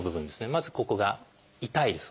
まずここが痛いです。